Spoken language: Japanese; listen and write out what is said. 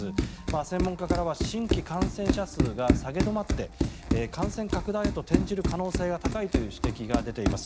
専門家からは新規感染者数が下げ止まって感染拡大へと転じる可能性が高いという指摘が出ています。